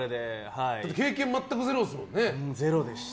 経験全くゼロですもんね。